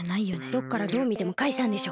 どっからどうみてもカイさんでしょ。